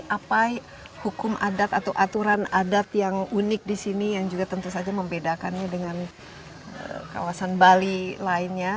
apa hukum adat atau aturan adat yang unik di sini yang juga tentu saja membedakannya dengan kawasan bali lainnya